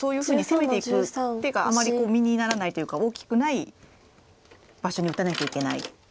攻めていく手があまり身にならないというか大きくない場所に打たなきゃいけない。